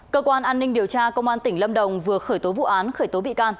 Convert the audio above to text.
cơ quan an ninh điều tra công an tỉnh lâm đồng vừa khởi tố vụ án khởi tố bị can